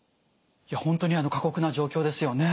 本当に過酷な状況ですよね。